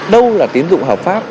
đâu là tín tùng hợp pháp